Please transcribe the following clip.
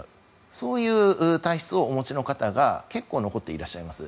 そういう体質をお持ちの方が結構残っていらっしゃいます。